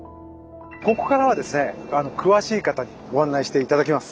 ここからはですね詳しい方にご案内して頂きます。